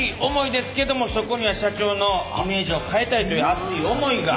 ですけどもそこには社長のイメージを変えたいという熱い想いが。